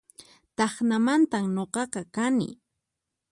Tacnamantan nuqaqa kani